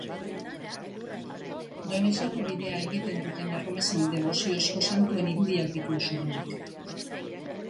Donejakue bidea egiten duten erromesen deboziozko santuen irudiak ditu zubiak.